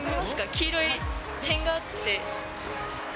黄色い点があって。